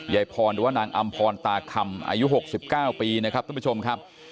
ยายพรหรือว่านางอำพรตาคำอายุ๖๙ปีนะครับท่านผู้ชมครับ